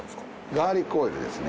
ガーリックオイルですね。